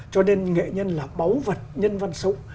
cho nên nghệ nhân là báu vật nhân văn sống